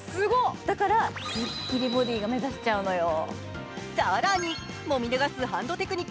だから、すっきりボディーが目指せちゃうのよ。